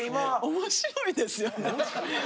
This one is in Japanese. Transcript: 面白いですよね。